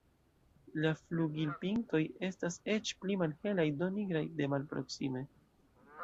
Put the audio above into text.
La flugilpintoj estas eĉ pli malhelaj, do nigraj de malproksime.